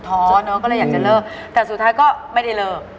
เนอะก็เลยอยากจะเลิกแต่สุดท้ายก็ไม่ได้เลิก